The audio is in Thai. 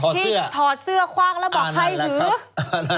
ถอดเสื้อคว่างแล้วบอกให้ถือ